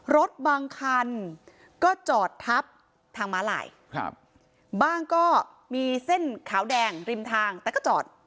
รถบางคันก็จอดทับทางม้าลายบ้างก็มีเส้นขาวแดงริมทางแต่ก็จอด